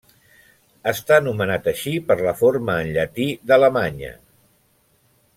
Està nomenat així per la forma en llatí d'Alemanya.